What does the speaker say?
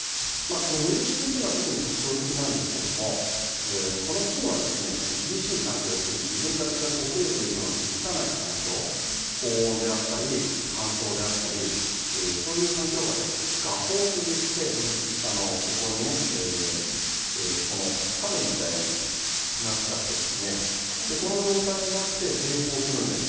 このウエルシュ菌というのは特に特徴的なんですけどもこの菌は、厳しい環境要するに、自分たちが増えていくのに適さない環境高温であったり、乾燥であったりそういう環境下では芽胞といってここの種みたいになっちゃってこの状態になって抵抗するんです。